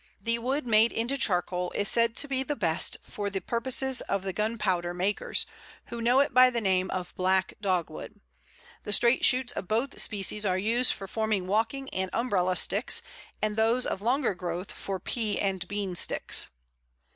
The wood made into charcoal is said to be the best for the purposes of the gunpowder makers, who know it by the name of Black Dogwood. The straight shoots of both species are used for forming walking and umbrella sticks, and those of longer growth for pea and bean sticks.